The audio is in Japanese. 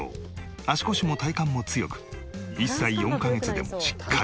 足腰も体幹も強く１歳４カ月でもしっかり歩く。